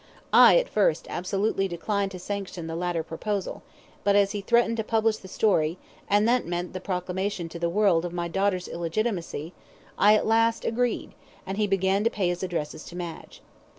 I, at first, absolutely declined to sanction the latter proposal, but as he threatened to publish the story, and that meant the proclamation to the world of my daughter's illegitimacy, I at last agreed, and he began to pay his addresses to Madge.